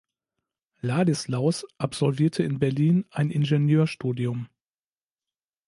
Ladislaus absolvierte in Berlin ein Ingenieurstudium.